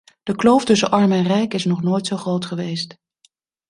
De kloof tussen arm en rijk is nog nooit zo groot geweest.